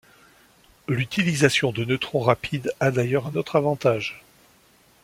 L'utilisation de neutrons rapides a d'ailleurs un autre avantage.